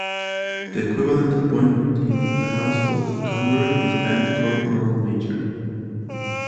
The equivalent appointment in the Household Cavalry is band corporal major.